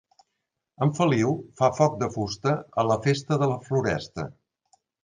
En Feliu fa foc de fusta a la festa de la Floresta.